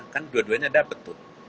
kan dua duanya dapat tuh